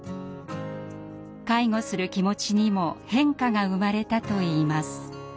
介護する気持ちにも変化が生まれたといいます。